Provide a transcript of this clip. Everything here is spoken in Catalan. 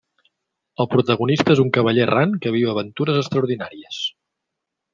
El protagonista és un cavaller errant que viu aventures extraordinàries.